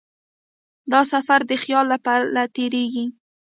دا سفر د خیال له پله تېرېږي.